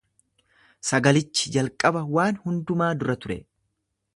Sagalichi jalqaba waan hundumaa dura ture.